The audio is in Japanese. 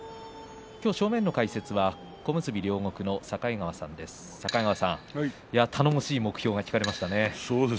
今日、正面の解説は小結両国の境川さんです。